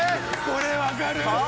これ分かる！